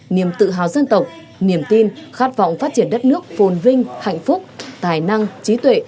niềm tự hào dân tộc niềm tin khát vọng phát triển đất nước phồn vinh hạnh phúc tài năng trí tuệ